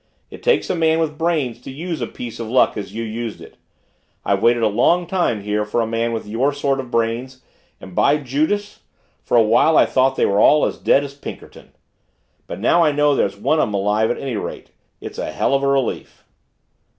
It takes a man with brains to use a piece of luck as you used it. I've waited a long time here for a man with your sort of brains and, by Judas, for a while I thought they were all as dead as Pinkerton. But now I know there's one of them alive at any rate and it's a hell of a relief."